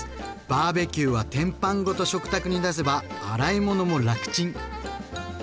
バーベキューは天板ごと食卓に出せば洗い物も楽ちん！